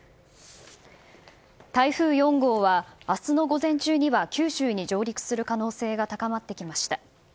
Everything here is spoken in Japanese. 台風４号はあすの午前中には九州に上陸する可能性が高まってきました。